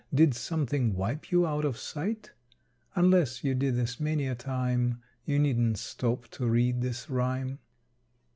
Did something wipe you out of sight? Unless you did this many a time You needn't stop to read this rime.